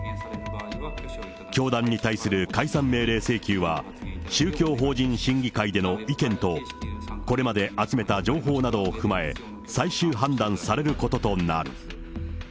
教団に対する解散命令請求は、宗教法人審議会での意見とこれまで集めた情報などを踏まえ、最終判断されることとなる。